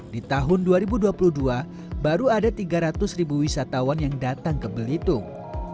di tahun dua ribu dua puluh dua baru ada tiga ratus ribu wisatawan yang datang ke belitung